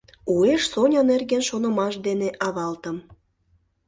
Уэш Соня нерген шонымаш дене авалтым.